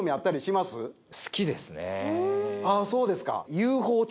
そうですか。